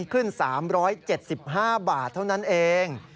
ขึ้น๓๗๕บาทเท่านั้นเอง